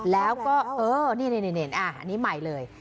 แล้วก็เออนี่อันนี้ใหม่เลย